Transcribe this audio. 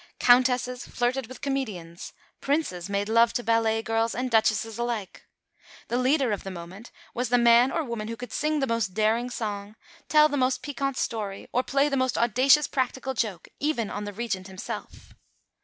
Countesses flirted with comedians; Princes made love to ballet girls and duchesses alike. The leader of the moment was the man or woman who could sing the most daring song, tell the most piquant story, or play the most audacious practical joke, even on the Regent himself.